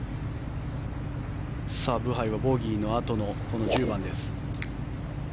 ブハイはボギーのあとのこの１０番です。